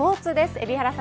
海老原さん